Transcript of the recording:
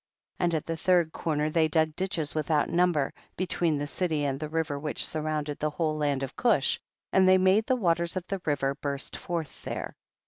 9. And at the third corner they dug ditches without number, between the city and the river which surround ed the whole land of Cush, and they made the waters of the river burst forth there.